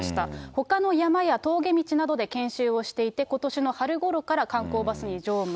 ほかの山や峠道などで研修をしていて、ことしの春ごろから観光バスに乗務。